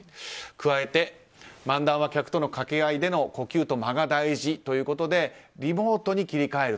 加えて、漫談は客との掛け合いでの呼吸と間が大事ということでリモートに切り替える。